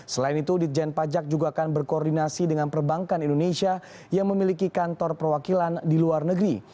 selain itu ditjen pajak juga akan berkoordinasi dengan perbankan indonesia yang memiliki kantor perwakilan di luar negeri